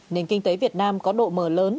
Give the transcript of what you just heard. nền kinh tế việt nam có độ mờ lớn